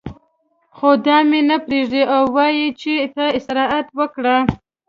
خو دا مې نه پرېږدي او وايي چې ته استراحت وکړه.